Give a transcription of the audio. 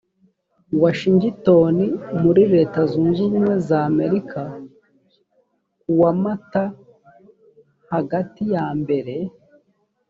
washingitoni muri leta zunze ubumwe za amerika kuwa mata hagati yambere